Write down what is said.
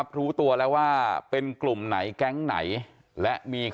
โตมาและอย่าเป็นอย่างนี้